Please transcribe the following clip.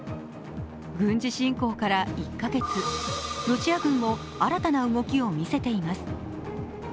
軍事侵攻から１カ月、ロシア軍も新たに動きを見せています。